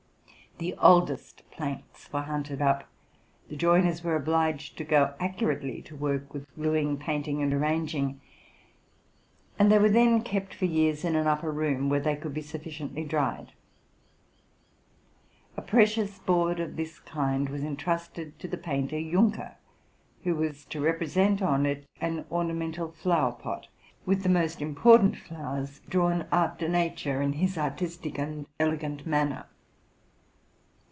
The oldest planks were hunted up, the joiners were obliged to go accurately to work with gluing, painting, and arranging ; and they were then kept for years in an upper room, where they could be sufficiently dried. A precious board of this kind was intrusted to the painter Junker, who was to represent on it an ornamental flower pot, with the RELATING TO MY LIFE. 127 most important flowers drawn after nature in his artistic and elegant manner.